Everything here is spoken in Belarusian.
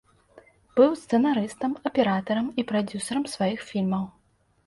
Быў сцэнарыстам, аператарам і прадзюсарам сваіх фільмаў.